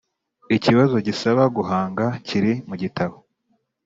ikibazo gisaba guhanga kiri mu gitabo